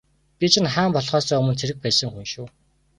Би чинь хаан болохоосоо өмнө цэрэг байсан хүн шүү.